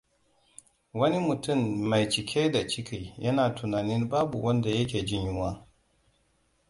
Wani mutum mai cike da ciki yana tunanin babu wanda yake jin yunwa.